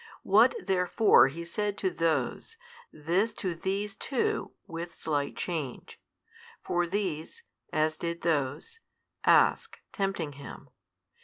What therefore He said to those, this to these too with slight change: for these (as did those) ask, tempting Him.